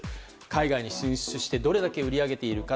海外に進出してどれだけ売り上げているか。